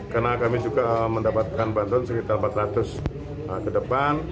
karena kami juga mendapatkan bantuan sekitar empat ratus ke depan